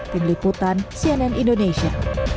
tim liputan cnn indonesia